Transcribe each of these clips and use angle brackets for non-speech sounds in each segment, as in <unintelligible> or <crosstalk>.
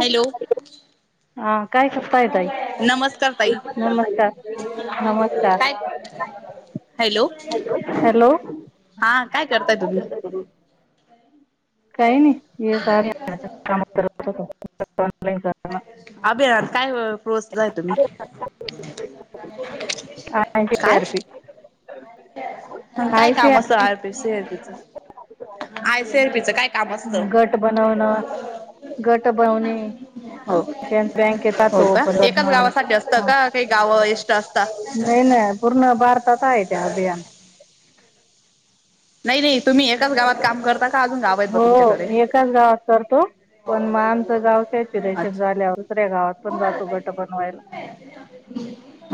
Hello हा काय करताय ताई? नमस्कार ताई. नमस्कार नमस्कार काय हॅलो, हॅलो हा काय करताय तुम्ही? काय नाय हे <unintelligible> कामं करत होतो <unintelligible> आबे यार काय प्रोसला आय तुम्ही? आय सी काय? आर पी काय काम असतं आर पी सी अर पीच? आय सी आर पीच काय काम असतं गट बनवण, गट बवने. हो हो का, एकाच करणं गावासाठी असतं का काय गाव एष्ट्राचे असता? नाय ना पूर्ण भारतात आहे ते अभियान. नाय नाय तुम्ही एकाच गावात काम करता का अजून गाव आहेत ब हो तुमच्याकडे? एकाच गावात करतो पण म आमचं गाव सेक्युरेशन अच्छा झाल्यावरसऱ्या दुसऱ्या गावात पण जातो गट बनवायला.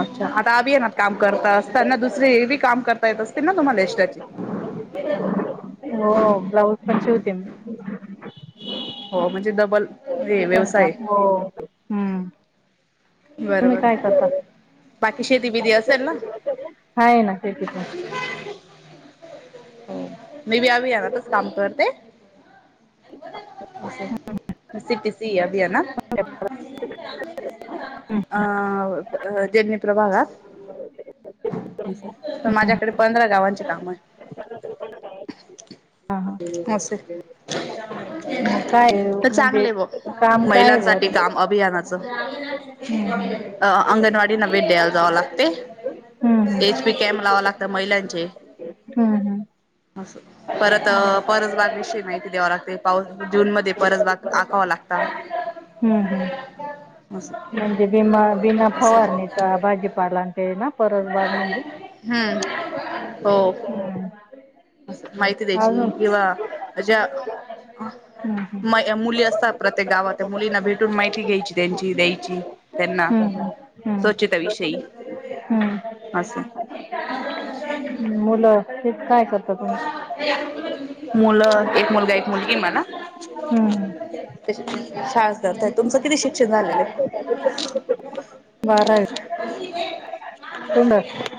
अच्छा आता अभियानात काम करता असत ना दुसर हे बी काम कर ता येत असतीन ना तुम्हाला एष्ट्राचे? हो ब्लाऊज पण शीवते मी. हो म्हणजे डबल हे पण व्यवसाय. काम हो हम्म. तुम्ही बरोबर काय करता? बाकी शेती बिती असेल ना आहे ना शेती पण. हो मी बी अभियानातच काम करते. <inaudible> सि पी सी अभियानात. हम्म अं अ देडनी प्रभागात तर हम्म माझ्याकडे पंधरा गावांचे काम आहे. हा हा असं. मग काय तर म्हणजे चांगलय ब्वा काम काय आहे बुवा महिलांसाठी तुमचं काम अभियानाच. हम्म अ अंगणवाडीना भेट द्यायला जावं लागतय हम्म हम्म एच पी कॅम्प लावावं लागत महिलांचे. हम्म हम्. असं. परत अ परजबाग विषयी माहिती द्यावा लागते पाऊस जून मध्ये परजबाग आखावा लागता. हम्म हम्म. असं म्हणजे बिमा बिना असं फवारणीचा भाजीपालां ते ना परजबाग म्हणजे? हं. हो. हम्म असं माहिती द्यायची अजून किंवा अ ज्या. हम्म हम्म म मुली असतात प्रत्येक गावात. त्या मुलींना भेटून माहिती घ्यायची त्यांची, द्यायची त्यांना. हम्म स्वच्छता विषयी हम्म हम्म. <inaudible> हम्म मुलं ते काय करतात तुमचे? मुलं एक मुलगा एक मुलगी ए मला. हम्म हम्म शाळाच करताय. तुमचं किती शिक्षण झालेलं आहे? बारावी. <unintelligible>